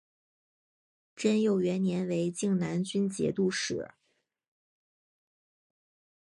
贞佑元年为静难军节度使。